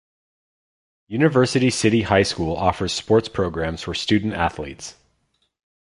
University City High School offers sports programs for student-athletes.